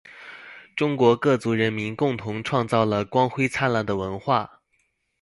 中国各族人民共同创造了光辉灿烂的文化